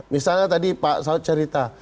misalnya tadi pak saud cerita